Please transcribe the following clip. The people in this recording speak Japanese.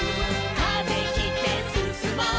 「風切ってすすもう」